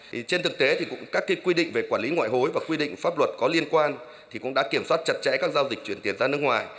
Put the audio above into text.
thì trên thực tế thì các quy định về quản lý ngoại hối và quy định pháp luật có liên quan thì cũng đã kiểm soát chặt chẽ các giao dịch chuyển tiền ra nước ngoài